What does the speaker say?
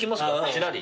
ちらり。